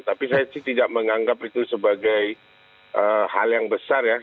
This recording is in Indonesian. tapi saya sih tidak menganggap itu sebagai hal yang besar ya